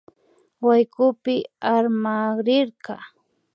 Waykupi armakrirka